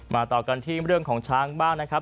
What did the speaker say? ต่อกันที่เรื่องของช้างบ้างนะครับ